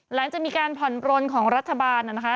หลังจากมีการผ่อนปลนของรัฐบาลนะคะ